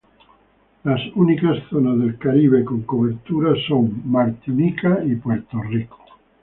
La única zona del Caribe con cobertura es Martinica y Puerto Rico.